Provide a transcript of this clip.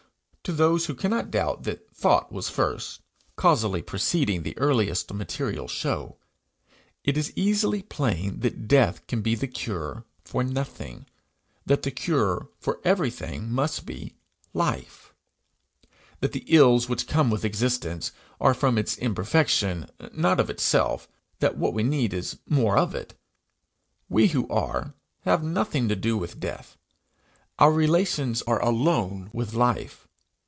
To those who cannot doubt that thought was first, causally preceding the earliest material show, it is easily plain that death can be the cure for nothing, that the cure for everything must be life that the ills which come with existence, are from its imperfection, not of itself that what we need is more of it. We who are, have nothing to do with death; our relations are alone with life.